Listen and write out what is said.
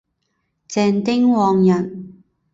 郑丁旺人。